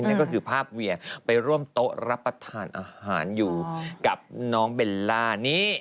นั่นก็คือภาพเวียไปร่วมโต๊ะรับประทานอาหารอยู่กับน้องเบลล่านี้